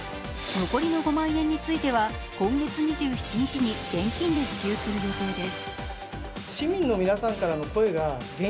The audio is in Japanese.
残りの５万円については今月２７日に現金で支給する予定です。